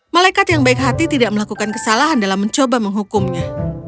malaikat yang baik hati tidak melakukan kesalahan dalam mencoba menghukumnya